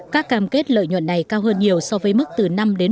các cam kết lợi nhuận này cao hơn nhiều so với mức từ năm bảy